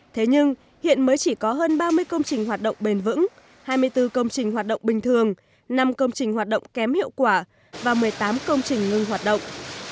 thế nhưng hiện mới chỉ có hơn ba mươi công trình hoạt động bền vững hai mươi bốn công trình hoạt động bình thường năm công trình hoạt động kém hiệu quả và một mươi tám công trình ngưng hoạt động